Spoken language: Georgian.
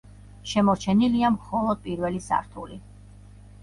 შემორჩენილია მხოლოდ პირველი სართული.